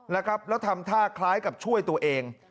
แล้วทำท่าคล้ายกับช่วยตัวเอง